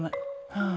はあ。